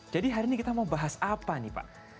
hari ini kita mau bahas apa nih pak